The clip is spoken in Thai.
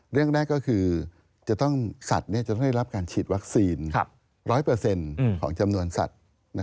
เรื่องแรกก็คือจะต้องสัตว์จะต้องได้รับการฉีดวัคซีน๑๐๐ของจำนวนสัตว์